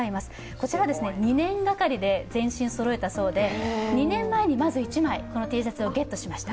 こちらは２年がかりで全身そろえたそうで、２年前にまず１枚、このＴシャツをゲットしました。